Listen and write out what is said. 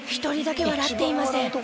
１人だけ笑っていません。